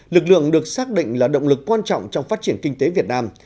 lực lượng được xác định là động lực quan trọng trong phát triển kinh tế việt nam